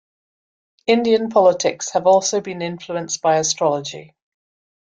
Indian politics have also been influenced by astrology.